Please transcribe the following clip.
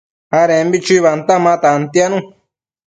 adembi chuibanta ma tantianu